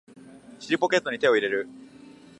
尻ポケットに手を入れる